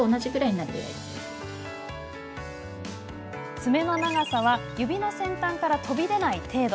爪の長さは指の先端から飛び出ない程度。